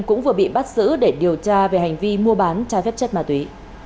cũng vừa bị bắt giữ để điều tra về hành vi mua bán trái phép chất ma túy